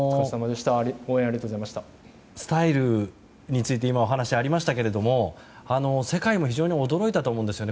スタイルについて今、お話がありましたけれども世界も非常に驚いたと思うんですね。